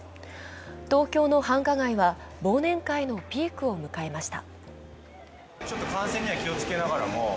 東京の繁華街は忘年会のピークを迎えました。